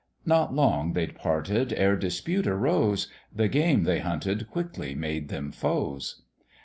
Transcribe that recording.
Not long they'd parted ere dispute arose; The game they hunted quickly made them foes.